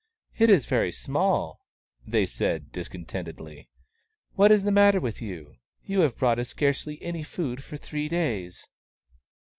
" It is very small," they said, discontentedly. " What is the matter with you ? You have brought us scarcely any food for three days."